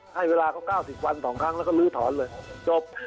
ให้เวลาเขา๙๐วัน๒ครั้งแล้วก็ลื้อถอนเลยจบ